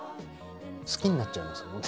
好きになっちゃいますもんね。